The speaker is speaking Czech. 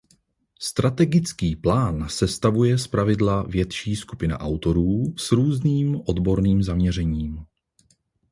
Strategický plán sestavuje zpravidla větší skupina autorů s různým odborným zaměřením.